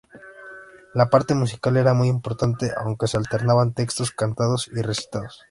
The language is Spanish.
La parte musical era muy importante, aunque se alternaban textos cantados y recitados.